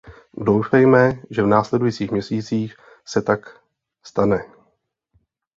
Doufejme, že v následujících měsících se tak stane.